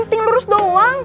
ting lurus doang